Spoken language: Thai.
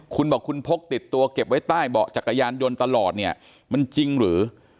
คุณบอกคุณพกติดตัวเก็บไว้ใต้เบาะจักรยานยนต์ตลอดเนี่ยมันจริงหรือ